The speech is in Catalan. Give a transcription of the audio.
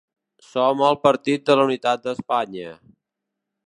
Som el partit de la unitat d’Espanya.